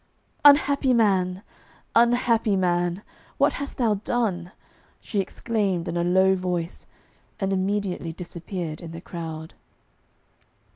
'Unhappy man! Unhappy man! What hast thou done?' she exclaimed in a low voice, and immediately disappeared in the crowd.